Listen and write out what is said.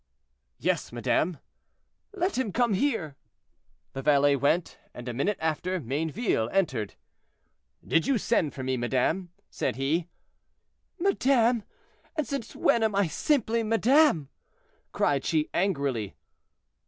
"Yes, madame." "Let him come here." The valet went, and, a minute after, Mayneville entered. "Did you send for me, madame?" said he. "Madame! And since when am I simply madame?" cried she angrily.